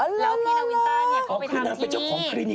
แล้วพี่นักวินตาเขาไปทำที่นี่